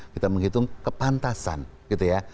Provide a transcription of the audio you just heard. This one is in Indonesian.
kita menghitung kepantasan gitu ya